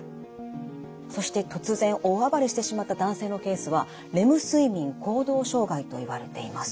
そして突然大暴れしてしまった男性のケースはレム睡眠行動障害といわれています。